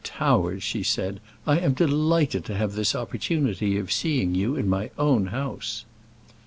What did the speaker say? Towers," she said, "I am delighted to have this opportunity of seeing you in my own house."